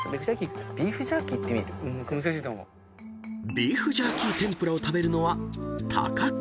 ［ビーフジャーキー天ぷらを食べるのは］